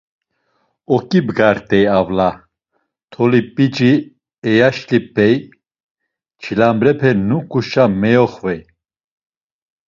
Oǩibgart̆ey avla; toli p̌ici eyaşlip̌ey, çilambrepe nuǩuşa meyoxvey.